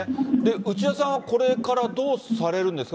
内田さんはこれからどうされるんですか。